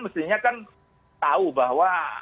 mestinya kan tahu bahwa